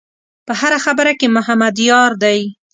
په هره خبره کې محمد یار دی.